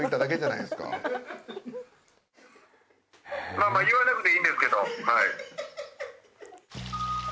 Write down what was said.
まぁまぁ言わなくていいんですけどはい。